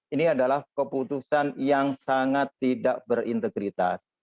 ini adalah keputusan yang sangat tidak berintegritas